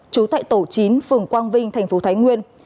trú tại tổ chín phường quang vinh tp thái nguyên